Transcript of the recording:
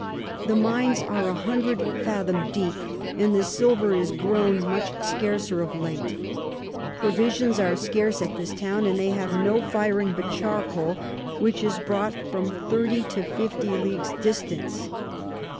The Mines are a hundred fathom deep, and the Silver is grown much scarcer of late. Provisions are scarce at this Town, and they have no Firing but Charcoal, which is brought from 30 to 50 Ls. distance.